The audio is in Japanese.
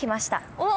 おっ！